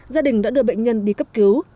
gia đình đã đưa bệnh nhân đi cấp cứu